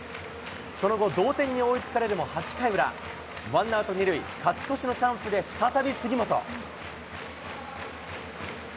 その後、同点に追いつかれるも、８回裏、１アウト２塁、勝ち越しのチャンスで再び杉本。